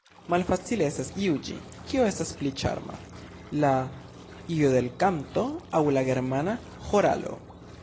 Malfacile estas juĝi, kio estas pli ĉarma, la jodelkanto aŭ la germana ĥoralo.